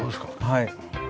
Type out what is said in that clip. はい。